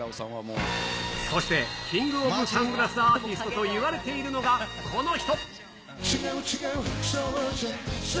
そしてキング・オブ・サングラス・アーティストといわれているのがこの人。